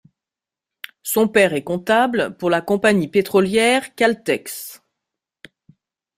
Son père est comptable pour la compagnie pétrolière Caltex.